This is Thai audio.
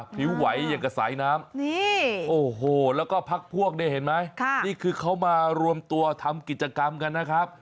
ผิวไหวอย่างกับสายน้ำนี่โอ้โหแล้วก็พักพวกเนี่ยเห็นไหมนี่คือเขามารวมตัวทำกิจกรรมกันนะครับ